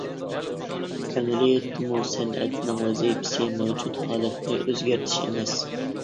ئەمەلىيەتتىمۇ سەنئەتنىڭ ۋەزىپىسى مەۋجۇت ھالەتنى ئۆزگەرتىش ئەمەس.